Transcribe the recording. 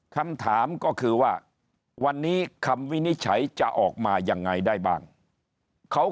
คำถามก็คือว่าวันนี้คำวินิจฉัยจะออกมายังไงได้บ้างเขา